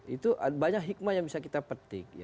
itu banyak hikmah yang bisa kita petik